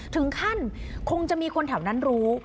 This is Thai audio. ถึงขั้นคงจะมีคนแถวนั้นรู้